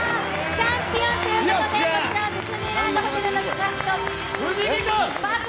チャンピオンということです。